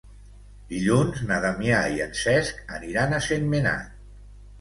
Dilluns na Damià i en Cesc aniran a Sentmenat.